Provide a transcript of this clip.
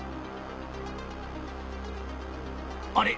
あれ？